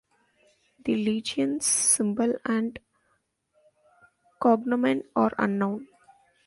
The legion's symbol and "cognomen" are unknown.